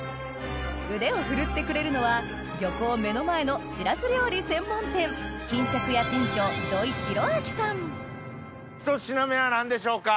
腕を振るってくれるのは漁港目の前のしらす料理専門店ひと品目は何でしょうか？